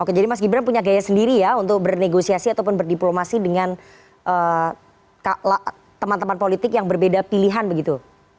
oke jadi mas gibran punya gaya sendiri ya untuk bernegosiasi ataupun berdiplomasi dengan teman teman politik yang berbeda pilihan begitu